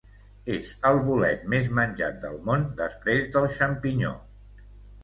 És el bolet més menjat del món després del xampinyó.